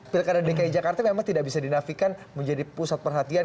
pilkada dki jakarta memang tidak bisa dinafikan menjadi pusat perhatian